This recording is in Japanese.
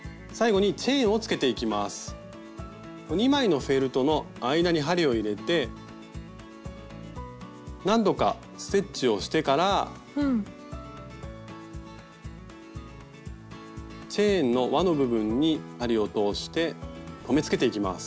最後に２枚のフェルトの間に針を入れて何度かステッチをしてからチェーンの輪の部分に針を通して留めつけていきます。